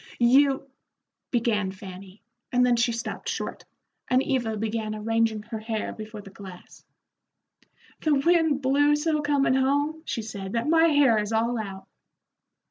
"You " began Fanny, and then she stopped short, and Eva began arranging her hair before the glass. "The wind blew so comin' home," she said, "that my hair is all out."